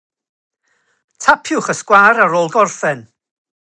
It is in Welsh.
Gellir ei symud â'r llaw hefyd.